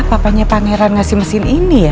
papanya pangeran ngasih mesin ini ya